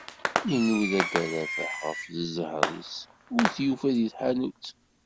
Inuda dda Rabeḥ ɣef ẓẓher-is, ur t-yufi di tḥanut.